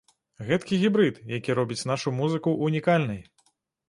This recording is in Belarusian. Гэткі гібрыд, які робіць нашу музыку унікальнай.